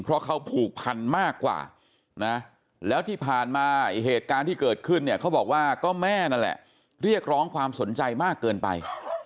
เพราะเขาผูกพันมากกว่านะแล้วที่ผ่านมาเหตุการณ์ที่เกิดขึ้นเนี่ยเขาบอกว่าก็แม่นั่นแหละเรียกร้องความสนใจมากเกินไป